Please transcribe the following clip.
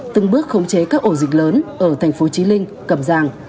từng bước khống chế các ổ dịch lớn ở thành phố trí linh cầm giàng